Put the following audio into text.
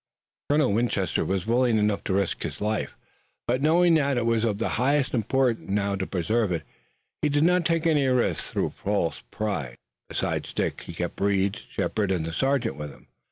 Colonel Winchester was willing enough to risk his life but knowing that it was of the highest importance now to preserve it he did not take any risks through false pride. Besides Dick he kept Reed, Shepard and the sergeant with him.